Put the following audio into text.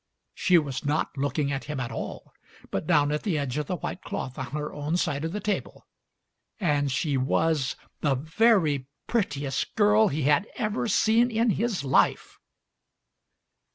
She was not looking at him at all, but down at the edge of the white cloth on her own side of the table; and she was the very prettiest girl he had ever seen in his life.